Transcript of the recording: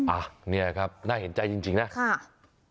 อ่ะเนี่ยครับน่าเห็นใจจริงนะค่ะ